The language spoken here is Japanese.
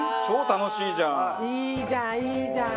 いいじゃんいいじゃん。